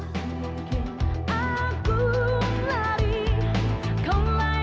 tidak mungkin aku menari